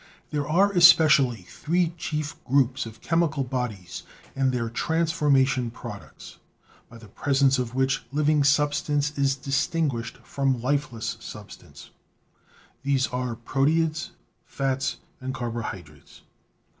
There are especially three chief groups of chemical bodies and their transformation products, by the presence of which living substance is distinguished from lifeless sub stance; these are proteids, fats and carbohydrates.